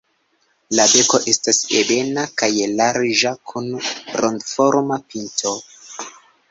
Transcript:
La beko estas ebena kaj larĝa, kun rondoforma pinto.